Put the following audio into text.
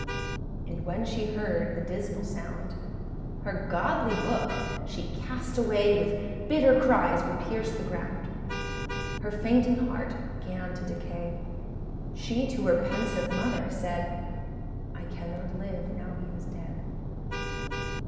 And when she heard the dismal sound, Her godly book she cast away, With bitter cries would pierce the ground. Her fainting heart âgan to decay: She to her pensive mother said, âI cannot live now he is dead.